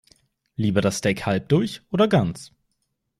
Lieber das Steak halb durch oder ganz?